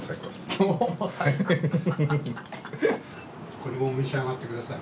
これも召し上がってください。